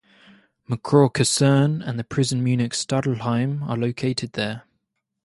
McGraw Kaserne and the Prison Munich Stadelheim are located there.